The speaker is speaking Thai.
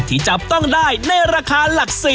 ที่จับต้องได้ในราคาหลัก๔๐